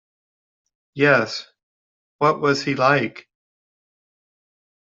Yes; what was he like?